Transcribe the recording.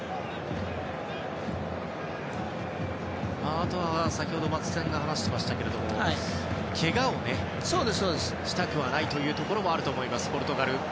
あとは、先ほど松木さんが話していましたけれどもけがをしたくないというところもあると思います、ポルトガル。